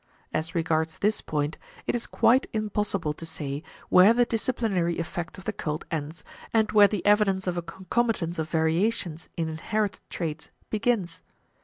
As regards this point, it is quite impossible to say where the disciplinary effect of the cult ends and where the evidence of a concomitance of variations in inherited traits begins.